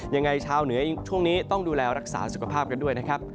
ชาวเหนือช่วงนี้ต้องดูแลรักษาสุขภาพกันด้วยนะครับ